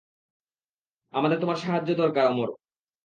আমাদের তোমার সাহায্য দরকার, অমর।